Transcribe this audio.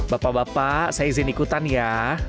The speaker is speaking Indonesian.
bapak bapak saya izin ikutan ya